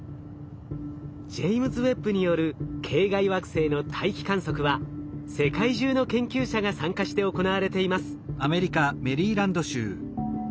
ジェイムズ・ウェッブによる系外惑星の大気観測は世界中の研究者が参加して行われています。